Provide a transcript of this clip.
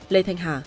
lê thanh hà